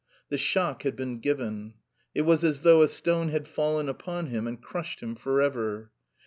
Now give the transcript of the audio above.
The shock had been given; it was as though a stone had fallen upon him and crushed him forever.